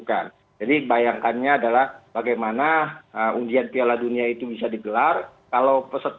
nah ini yang menjadi salah satu alasan kenapa kemudian undian piala dunia ini ditunda sampai batas waktu yang tidak ditunggu